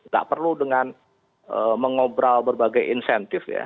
gak perlu dengan mengobrol berbagai insentif ya